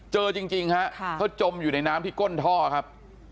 เจอจริงฮะเขาจมอยู่ในน้ำที่ก้นท่อครับ